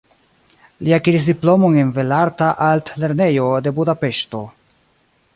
Li akiris diplomon en Belarta Altlernejo de Budapeŝto.